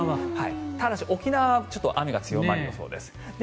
ただし、沖縄は雨が強まりそうです。